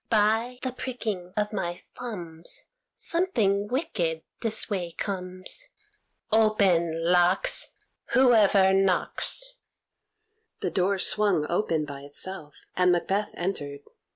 "By the pricking of my thumbs, Something wicked this way comes. Open, locks, Whoever knocks!" The door swung open by itself, and Macbeth entered.